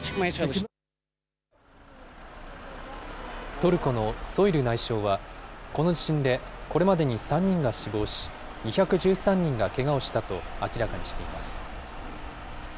トルコのソイル内相は、この地震でこれまでに３人が死亡し、２１３人がけがをしたと明らかにしています。